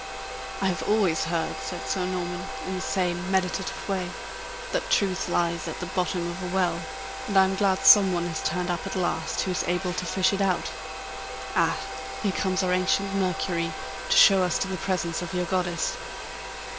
"I have always heard," said Sir Norman, in the same meditative way, "that truth lies at the bottom of a well, and I am glad some one has turned up at last who is able to fish it out. Ah! Here comes our ancient Mercury to show us to the presence of your goddess."